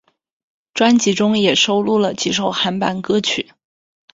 专辑中也收录了几首韩版歌曲。